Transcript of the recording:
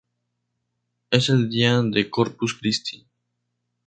Es el día de Corpus Cristi.